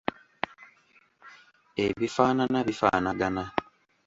Ebifaanana bifaanagana.